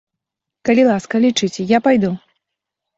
Калі ласка, лічыце, я пайду.